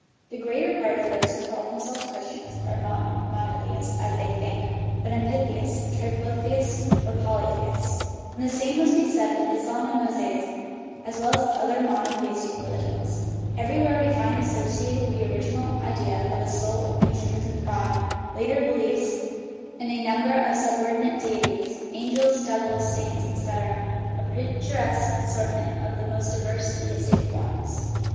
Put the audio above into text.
The greater part of those who call themselves Christians are not monotheists (as they think), but amphitheists, triplotheists, or polytheists. And the same must be said of Islam and Mosaism, and other monotheistic religions. Everywhere we find associated with the original idea of a " sole and triune God " later beliefs in a number of subordinate deities angels, devils, saints, etc. a picturesque assortment of the most di verse theistic forms.